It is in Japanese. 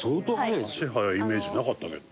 足速いイメージなかったけど。